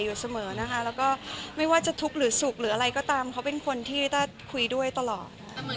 อยู่เสมอนะคะแล้วก็ไม่ว่าจะทุกข์หรือสุขหรืออะไรก็ตามเขาเป็นคนที่ถ้าคุยด้วยตลอด